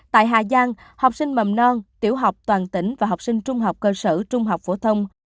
tại hà giang học sinh mầm non tiểu học toàn tỉnh và học sinh trung học cơ sở trung học phổ thông